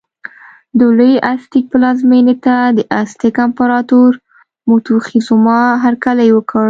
د لوی ازتېک پلازمېنې ته د ازتک امپراتور موکتیزوما هرکلی وکړ.